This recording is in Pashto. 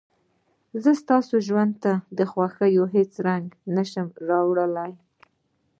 زه ستاسو ژوند ته د خوښيو هېڅ رنګ نه شم راوړلى.